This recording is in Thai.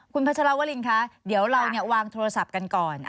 คุณพัชรวรินคะเดี๋ยวเราวางโทรศัพท์กันก่อน